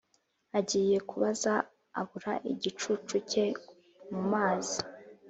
agiye kubaza abura igicucu cye mumazi